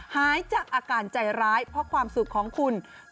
หายจากอาการใจร้ายเพราะความสุขของคุณ